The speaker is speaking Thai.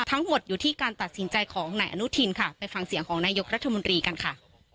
ทั้งหมดอยู่ที่การตัดสินใจของนายอนุทินค่ะไปฟังเสียงของนายกรัฐมนตรีกันค่ะ